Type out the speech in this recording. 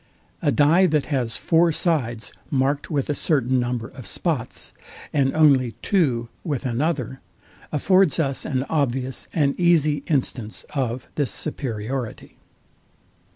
A dye that has four sides marked with a certain number of spots, and only two with another, affords us an obvious and easy instance of this superiority.